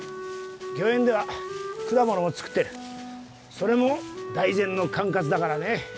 御苑では果物も作ってるそれも大膳の管轄だからね